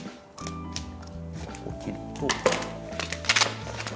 ここ切ると。